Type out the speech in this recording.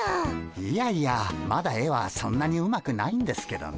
いやいやまだ絵はそんなにうまくないんですけどね。